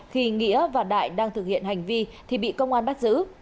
khi nghĩa và đại đang thực hiện hành vi thì bị công an bắt giữ